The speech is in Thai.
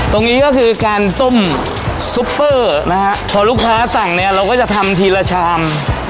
ตรงนี้ก็คือการต้มซุปเปอร์นะฮะพอลูกค้าสั่งเนี่ยเราก็จะทำทีละชาม